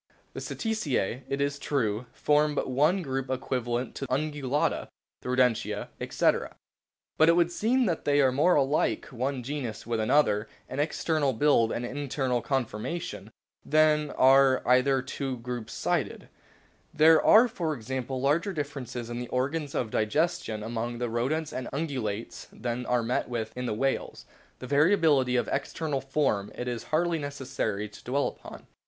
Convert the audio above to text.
The Cetacea, it is true, form but one group equivalent to the Ungulata, the Rodentia, etc. CLASSIFICATION 105 But it would seem that they are more alike, one genus with another, in external build and internal con formation, than are either of two groups cited. There are, for example, larger differences in the organs of digestion among the Rodents and Ungulates than are met with in the whales ; the variability of external form it is hardly necessary to dwell upon.